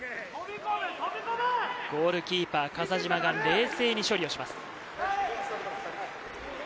ゴールキーパー・笠島が冷静に処理をします。